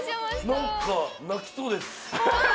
なんか泣きそうです。